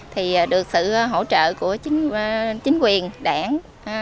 thì được sự hỗ trợ của chính quyền đảng